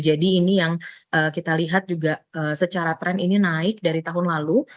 jadi ini yang kita lihat juga secara tren ini naik dari tahun lalu